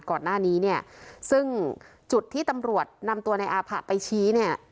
ก่อนหน้านี้เนี่ยซึ่งจุดที่ตำรวจนำตัวในอาผะไปชี้เนี่ย